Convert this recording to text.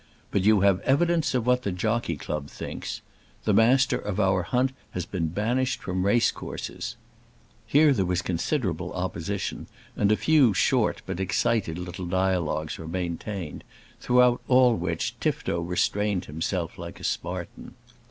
But you have evidence of what the Jockey Club thinks. The Master of our Hunt has been banished from racecourses." Here there was considerable opposition, and a few short but excited little dialogues were maintained; throughout all which Tifto restrained himself like a Spartan.